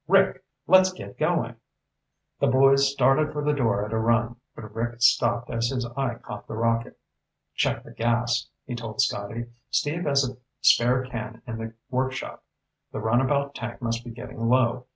"Rick, let's get going!" The boys started for the door at a run, but Rick stopped as his eye caught the rocket. "Check the gas," he told Scotty. "Steve has a spare can in the workshop. The runabout tank must be getting low.